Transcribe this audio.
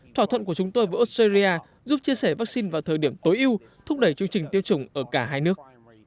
thỏa thuận của chúng tôi với australia giúp chia sẻ vaccine vào thời điểm tối ưu thúc đẩy chương trình tiêu chủng ở cả hai nước